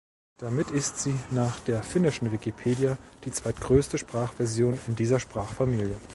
Damit ist sie nach der finnischen Wikipedia die zweitgrößte Sprachversion in dieser Sprachfamilie.